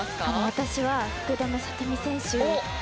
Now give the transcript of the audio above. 私は福留慧美選手。